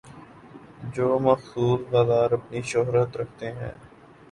جو مخصوص بازار اپنی شہرت رکھتے تھے۔